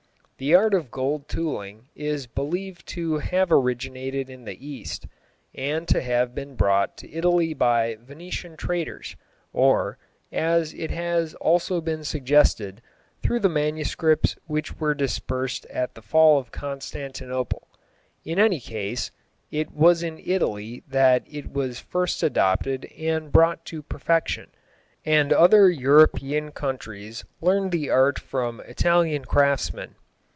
The art of gold tooling is believed to have originated in the East, and to have been brought to Italy by Venetian traders, or, as it has also been suggested, through the manuscripts which were dispersed at the fall of Constantinople. In any case, it was in Italy that it was first adopted and brought to perfection, and other European countries learned the art from Italian craftsmen.